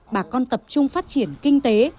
bà con tập trung phát triển kinh tế